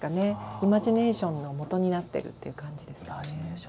イマジネーションのもとになっているって感じですかね。